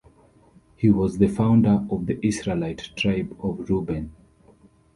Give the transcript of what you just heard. He was the founder of the Israelite Tribe of Reuben.